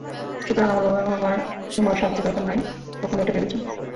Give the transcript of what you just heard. সুতরাং আমার বাবা এবং আমার তোমার সাহায্য দরকার নাই কখনো এটা ভেবেছ?